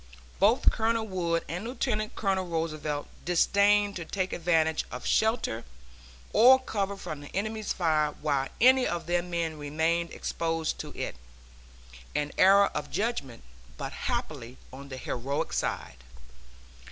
Both Colonel Wood and Lieutenant Colonel Roosevelt disdained to take advantage of shelter or cover from the enemy's fire while any of their men remained exposed to it an error of judgment, but happily on the heroic side.